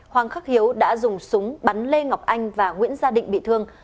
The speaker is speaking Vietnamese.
hoàng khắc hiếu đã dùng súng bắn lê ngọc anh và nguyễn gia định bị thương